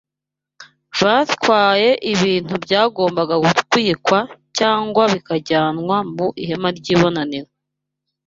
Batwaye ibintu byagombaga gutwikwa cyangwa bikajyanwa mu ihema ry’ibonaniro